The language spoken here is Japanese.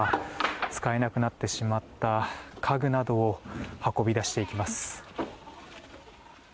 使えなくなってしまった家具などを運び出していきます。